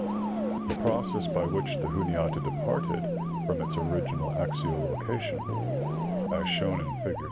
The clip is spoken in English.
The process by which the Juniata departed from its original axial location, J, fig.